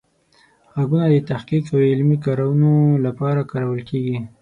غږونه د تحقیق او علمي کارونو لپاره کارول کیږي.